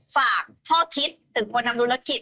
ฝากท่อทิศถึงผู้นำลุงละคิด